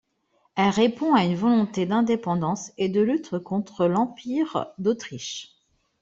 Elle répond à une même volonté d'indépendance et de lutte contre l'Empire d'Autriche.